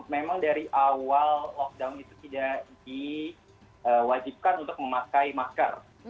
memang dari awal lockdown itu tidak diwajibkan untuk memakai masker